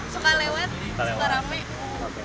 suka lewat suka rame